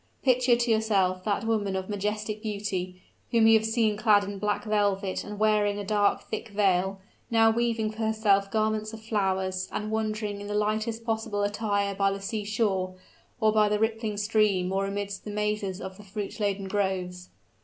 Picture to yourself that woman of majestic beauty, whom you have seen clad in black velvet and wearing a dark thick veil, now weaving for herself garments of flowers, and wandering in the lightest possible attire by the seashore, or by the rippling stream, or amidst the mazes of the fruit laden groves.